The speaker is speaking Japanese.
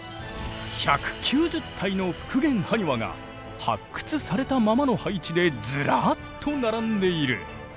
１９０体の復元ハニワが発掘されたままの配置でズラッと並んでいる。